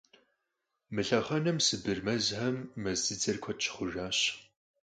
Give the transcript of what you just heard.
Мы лъэхъэнэм Сыбыр мэзхэм мэз дзыдзэр куэд щыхъужащ.